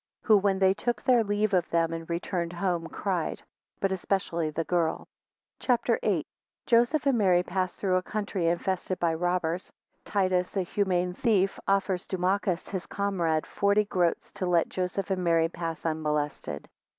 34 Who, when they took their leave of them, and returned home, cried, 35 But especially the girl. CHAPTER VIII. 1 Joseph and Mary pass through a country infested by robbers. 3 Titus a humane thief, offers Dumachus, his comrade, forty groats to let Joseph and Mary pass unmolested.